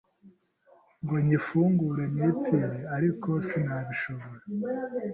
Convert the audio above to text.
ngo nyifungure nipfire ariko sinabishobora